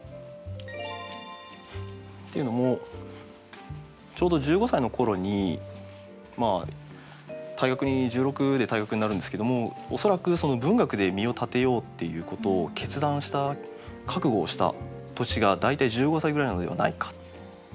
っていうのもちょうど１５歳の頃に１６で退学になるんですけれども恐らくその文学で身を立てようっていうことを決断した覚悟をした年が大体１５歳ぐらいなのではないか。